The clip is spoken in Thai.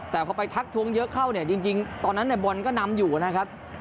แต่พอไปทักทวงเยอะเข้าเนี่ยจริงตอนนั้นเนี่ยบอลก็นำอยู่นะครับ